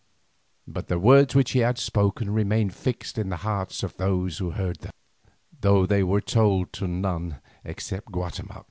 But the words which he had spoken remained fixed in the hearts of those who heard them, though they were told to none except to Guatemoc.